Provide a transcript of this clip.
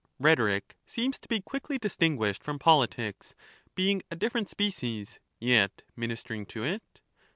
Rhetoric seems to be quickly distinguished from which is politics, being a different species, yet ministering to it.